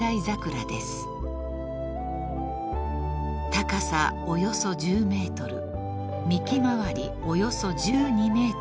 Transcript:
［高さおよそ１０ｍ幹回りおよそ１２ｍ］